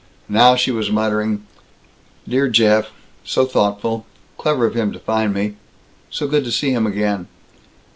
Now, she was muttering, "Dear Jeff! So thoughtful! Clever of him to find me! So good to see him again!"